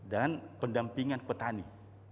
dan pendampingan petani